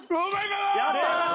やったー！